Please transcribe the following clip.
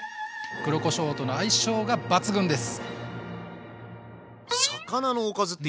黒こしょうとの相性が抜群です！